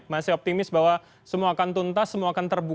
masih optimis bahwa semua akan tuntas semua akan terbuka